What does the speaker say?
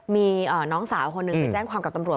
มีน้องสาวคนหนึ่งไปแจ้งความกับตำรวจ